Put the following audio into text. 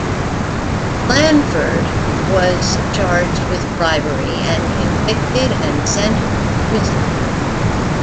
Blandford was charged with bribery, and convicted and sent to prison.